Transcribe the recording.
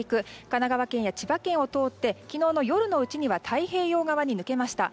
神奈川県や千葉県を通って昨日の夜のうちには太平洋側に抜けました。